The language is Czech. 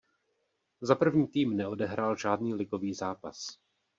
Za první tým neodehrál žádný ligový zápas.